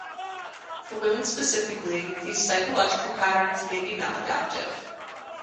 For women specifically, these psychological patterns may be maladaptive.